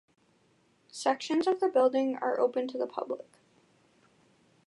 Sections of the building are open to the public.